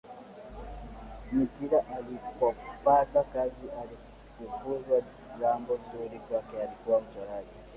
na kila alipopata kazi alifukuzwa Jambo zuri kwake alikuwa mchoraji